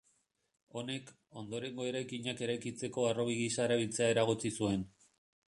Honek, ondorengo eraikinak eraikitzeko harrobi gisa erabiltzea eragotzi zuen.